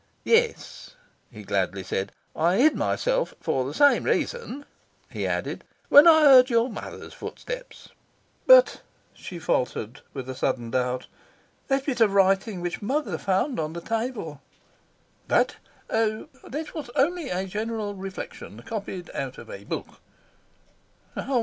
"Yes," he gladly said. "I hid myself for the same reason," he added, "when I heard your mother's footstep." "But," she faltered, with a sudden doubt, "that bit of writing which Mother found on the table " "That? Oh, that was only a general reflection, copied out of a book."